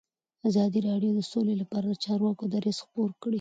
ازادي راډیو د سوله لپاره د چارواکو دریځ خپور کړی.